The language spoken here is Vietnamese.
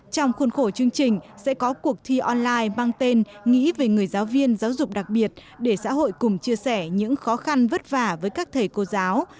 trong khuôn khổ chương trình sẽ có cuộc thi online mang tên nghĩ về người giáo viên giáo dục đặc biệt để xã hội cùng chia sẻ những khó khăn vất vả với các thầy cô giáo